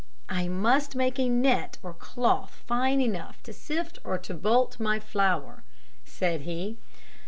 "I must make a net or cloth fine enough to sift or bolt my flour," said he.